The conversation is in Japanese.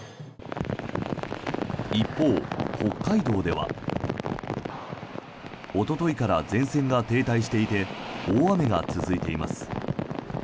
一方、北海道ではおとといから前線が停滞していて大雨が続いています。